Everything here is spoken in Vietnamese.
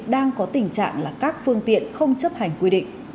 đang có tình trạng là các phương tiện không chấp hành quy định